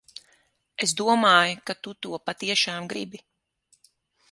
Es domāju, ka tu to patiešām gribi.